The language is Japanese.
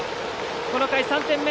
この回３点目。